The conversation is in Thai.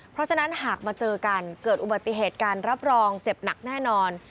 เพราะฉะนั้นหากมาเจอกันเกิดอุบัติเหตุการรับรองเจ็บหนักแน่นอน